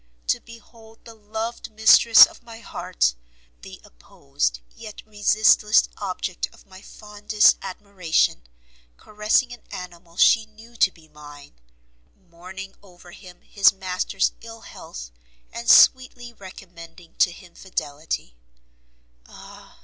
to behold the loved mistress of my heart, the opposed, yet resistless object of my fondest admiration, caressing an animal she knew to be mine, mourning over him his master's ill health, and sweetly recommending to him fidelity, Ah!